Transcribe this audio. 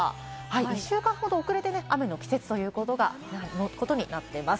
１週間ほど遅れて雨の季節ということになっています。